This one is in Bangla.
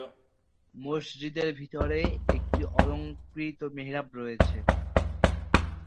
মসজিদের ভিতরে একটি অলংকৃত মেহরাব রয়েছে।